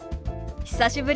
久しぶり。